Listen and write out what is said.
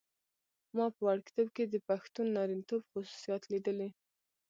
ما په وړکتوب کې د پښتون نارینتوب خصوصیات لیدلي.